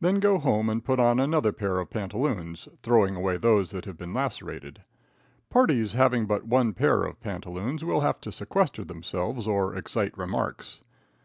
Then go home and put on another pair of pantaloons, throwing away those that have been lacerated. Parties having but one pair of pantaloons will have to sequester themselves or excite remarks.